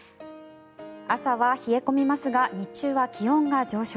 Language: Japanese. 朝は冷え込みますが日中は気温が上昇。